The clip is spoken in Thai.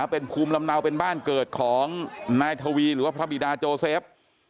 เป็นภูมิลำเนาเป็นบ้านเกิดของนายทวีหรือว่าพระบิดาโจเซฟ